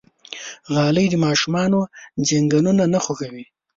غالۍ د ماشومانو زنګونونه نه خوږوي.